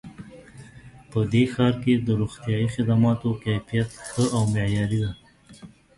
په دې ښار کې د روغتیایي خدماتو کیفیت ښه او معیاري ده